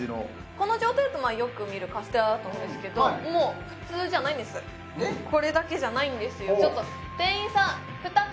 この状態だとよく見るカステラだと思うんですけどもう普通じゃないんですちょっと店員さん